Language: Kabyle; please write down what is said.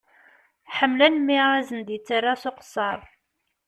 Ḥemmlen mi ara sen-d-yettara s uqesser.